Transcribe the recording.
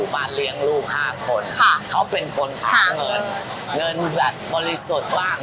บ้านเลี้ยงลูก๕คนเขาเป็นคนหาเงินเงินแบบบริสุทธิ์บ้าง